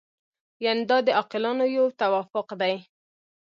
یعنې دا د عاقلانو یو توافق دی.